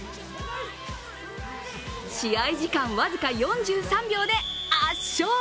試合時間僅か４３秒で圧勝。